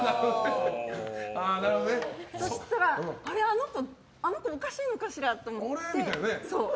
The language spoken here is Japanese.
そうしたら、あの子おかしいのかしらと思って。